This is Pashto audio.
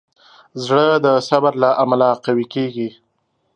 زړه د صبر له امله قوي کېږي.